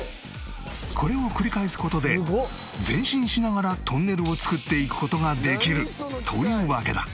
これを繰り返す事で前進しながらトンネルを作っていく事ができるというわけだ